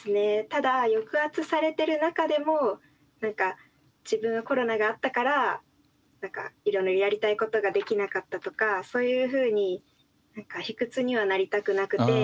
ただ抑圧されてる中でも何か自分はコロナがあったからいろいろやりたいことができなかったとかそういうふうに卑屈にはなりたくなくて。